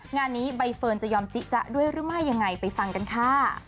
งานนี้ใบเฟิร์นจะยอมจิจ๊ะด้วยหรือไม่ยังไงไปฟังกันค่ะ